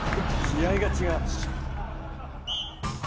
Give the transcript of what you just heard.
気合が違う。